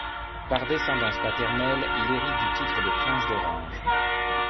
Par descendance paternelle, il hérite du titre de Prince d'Orange.